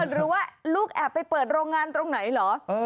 หรือว่าลูกแอบไปเปิดโรงงานตรงไหนเหรอ